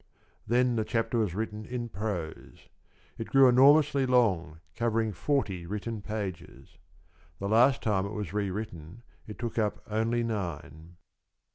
Then the chapter was written in prose. It grew enormously long, covering forty written pages. The last time it was rewritten it took up only nine.